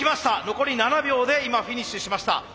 残り７秒で今フィニッシュしました。